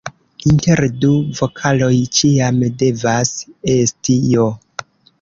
Inter du vokaloj ĉiam devas esti "j".